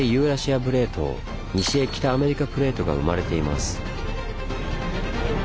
プレート西へ北アメリカプレートが生まれています。